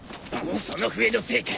その笛のせいか。